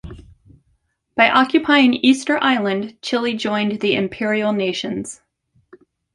By occupying Easter Island, Chile joined the imperial nations.